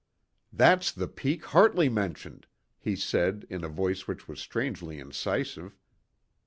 "That's the peak Hartley mentioned," he said in a voice which was strangely incisive.